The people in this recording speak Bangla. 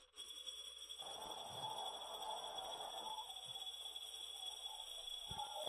যাওয়ার আগে কি গেট লাগায় দেবো?